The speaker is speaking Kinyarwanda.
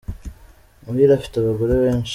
Muhire afite abagore benshi.